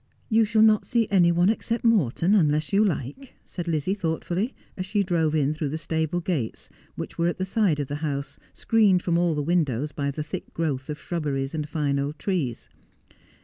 ' You shall not see any one except ^Morton unless you like,' said Lizzie thoughtfully, as she drove in through the stable gates, which were at the side of the house, screened from all the windows by the thick growth of shrubberies and fine old trees.